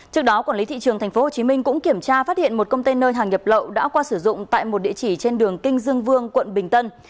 trước đó quản lý thị trường tp hcm cũng kiểm tra phát hiện một container hàng nhập lậu đã qua sử dụng tại một địa chỉ trên đường kinh dương vương quận bình tân